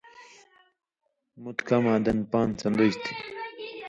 مُت کماں دَن پان٘د سن٘دُژ تھی،